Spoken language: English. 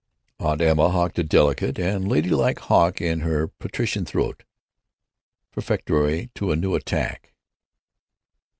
Aunt Emma hawked a delicate and ladylike hawk in her patrician throat, prefatory to a new attack.